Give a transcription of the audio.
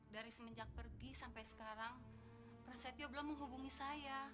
dari semenjak pergi sampai sekarang prasetyo belum menghubungi saya